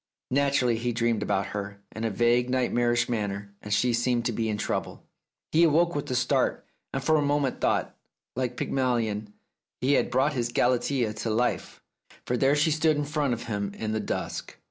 Naturally, he dreamed about her, in a vague nightmarish manner, and she seemed to be in trouble. He awoke with a start, and for a moment thought that, like Pygmalion, he had brought his Galatea to life, for there she stood in front of him in the dusk.